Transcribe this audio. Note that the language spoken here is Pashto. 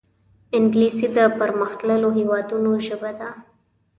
انګلیسي د پرمختللو هېوادونو ژبه ده